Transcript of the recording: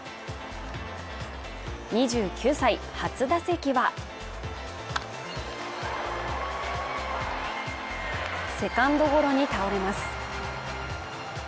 ２９歳初打席はセカンドゴロに倒れます。